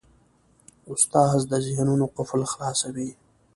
استاد د ذهنونو قفل خلاصوي.